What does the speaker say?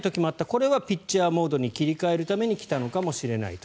これはピッチャーモードに切り替えるために来たのかもしれないと。